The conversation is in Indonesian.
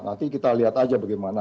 nanti kita lihat aja bagaimana